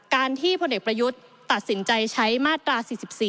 ที่พลเอกประยุทธ์ตัดสินใจใช้มาตรา๔๔